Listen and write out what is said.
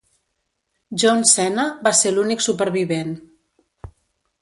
John Cena va ser l'únic supervivent.